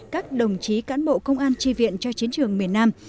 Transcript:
các đồng chí cán bộ công an tri viện cho chiến trường miền nam